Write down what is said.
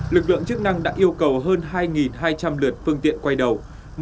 lực lượng chức năng đã yêu cầu hơn hai hai trăm linh lượt phương tiện quay đầu